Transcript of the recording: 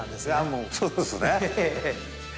もうそうですね。